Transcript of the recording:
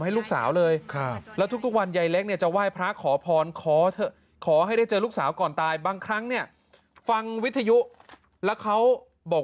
หวังจะได้เจอลูกสาวครับ